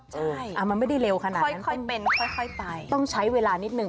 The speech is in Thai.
ใช่ค่อยเป็นค่อยไปมันไม่ได้เร็วขนาดนั้นต้องใช้เวลานิดนึง